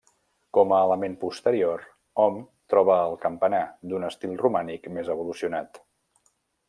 Com a element posterior, hom troba el campanar, d'un estil romànic més evolucionat.